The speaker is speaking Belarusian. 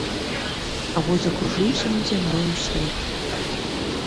А вось закружыўся над зямлёю снег.